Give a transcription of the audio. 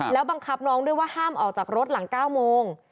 แล้วบังคับน้องด้วยว่าห้ามออกจากรถหลัง๙โมง